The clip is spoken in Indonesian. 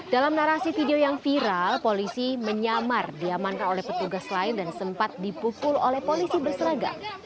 dalam narasi video yang viral polisi menyamar diamankan oleh petugas lain dan sempat dipukul oleh polisi berseragam